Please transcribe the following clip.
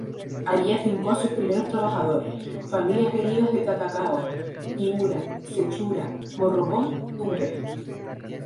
Allí afincó a sus primeros trabajadores; familias venidas de Catacaos, Piura, Sechura, Morropón, Tumbes.